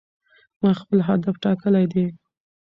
ما خپل هدف ټاکلی دی.